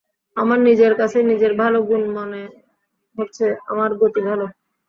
আমার নিজের কাছে নিজের ভালো গুণ মনে হচ্ছে, আমার গতি ভালো।